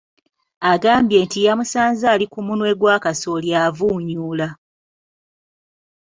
Agambye nti yamusanze ali ku munwe gwa kasooli avunyuula.